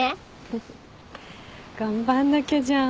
頑張んなきゃじゃん。